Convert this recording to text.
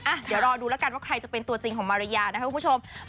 เดี๋ยวรอดูแล้วกันว่าใครจะเป็นตัวจริงของมาริยานะครับคุณผู้ชม